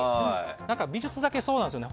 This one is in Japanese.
美術だけ、そうなんですよね。